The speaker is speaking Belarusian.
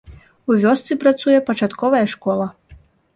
У вёсцы працуе пачатковая школа.